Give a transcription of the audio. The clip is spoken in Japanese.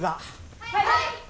はい！